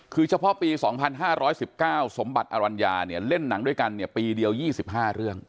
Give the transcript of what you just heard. คือเฉพาะปี๒๕๑๙สมบัติอรัญญาเนี่ยเล่นหนังด้วยกันปีเดียว๒๕เรื่อง